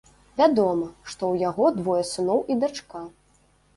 Вядома, што ў яго двое сыноў і дачка.